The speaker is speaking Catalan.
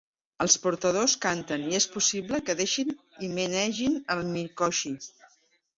Els portadors canten i és possible que deixin i menegin el mikoshi.